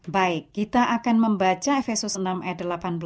baik kita akan membaca versus enam ayat delapan belas